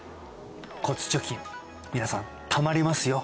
骨貯金皆さんたまりますよ